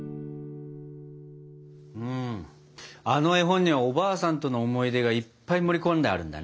うんあの絵本にはおばあさんとの思い出がいっぱい盛り込んであるんだね。